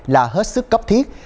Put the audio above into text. là hết sức cấp thiết